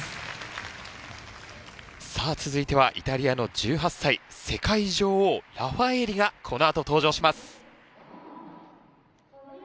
さあ続いてはイタリアの１８歳世界女王ラファエーリがこのあと登場します。